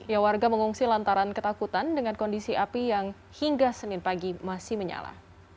ya warga mengungsi lantaran ketakutan dengan kondisi api yang hingga senin pagi masih menyala